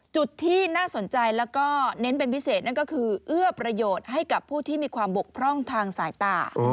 จุดที่น่าสนใจแล้วก็เน้นเป็นพิเศษนั่นก็คือเอื้อประโยชน์ให้กับผู้ที่มีความบกพร่องทางสายตา